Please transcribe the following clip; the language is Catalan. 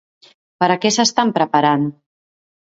Per a què s'estan preparant?